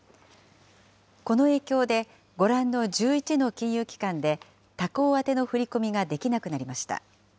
この影響で、ご覧の１１の金融機関で他行宛ての振り込みができなくなりました。